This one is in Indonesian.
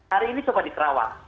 hari ini coba di kerawang